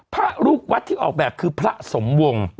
พระลูกวัดที่ออกแบบคือพระสมวง